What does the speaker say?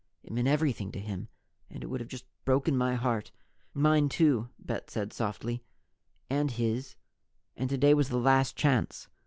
"It meant everything to him. And it would just have broken my heart " "Mine, too," Bet said softly. "And his. And today was the last chance.